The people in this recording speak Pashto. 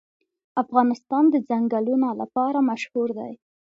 افغانستان د ځنګلونه لپاره مشهور دی.